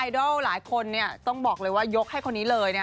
ดอลหลายคนต้องบอกเลยว่ายกให้คนนี้เลยนะ